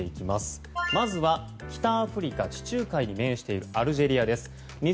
まずは北アフリカ地中海に面しているアルジェリアです。